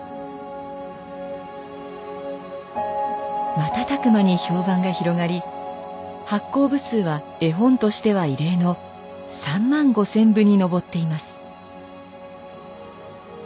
瞬く間に評判が広がり発行部数は絵本としては異例の３万５，０００部に上っています。